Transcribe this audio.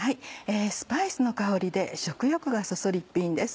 スパイスの香りで食欲がそそる一品です。